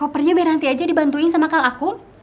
eh kopernya biar nanti aja dibantuin sama kal aku